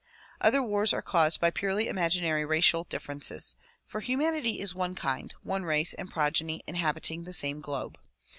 Other wars are caused by purely imaginary racial differences; for humanity is one kind, one race and progeny inhabiting the same globe.